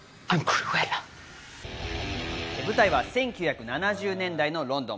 舞台は１９７０年代のロンドン。